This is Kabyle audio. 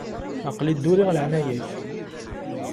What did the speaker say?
Aql-i dduriɣ leɛnaya-k.